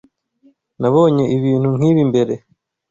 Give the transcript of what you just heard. Nabonye ibintu nkibi mbere.